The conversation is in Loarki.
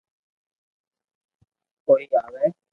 ڪوئي آوي